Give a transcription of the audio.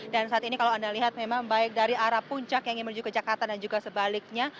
dan saat ini kalau anda lihat memang baik dari arah puncak yang menuju ke jakarta dan juga sebaliknya